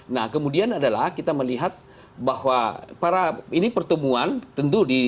nah kemudian adalah kita melihat bahwa para ini pertemuan tentu di